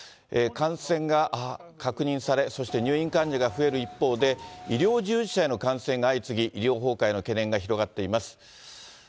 感染が確認され、そして入院患者が増える一方で、医療従事者への感染が相次ぎ、医療崩壊の懸念が広がっています。